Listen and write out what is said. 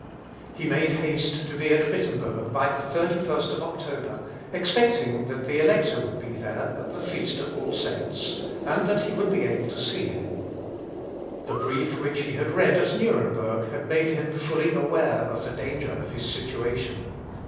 He made haste to be at Wittemberg by the 31st October, expecting that the Elector would be there at the Feast of All Saints, and that he would be able to see him. The brief which he had read at Nuremberg had made him fully aware of the danger of his situation.